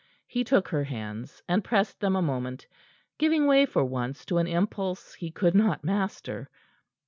He took her hands, and pressed them a moment, giving way for once to an impulse he could not master.